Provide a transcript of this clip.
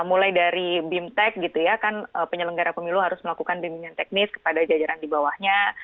mulai dari bimtek gitu ya kan penyelenggara pemilu harus melakukan bimbingan teknis kepada jajaran di bawahnya